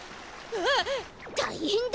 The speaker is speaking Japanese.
たいへんだ！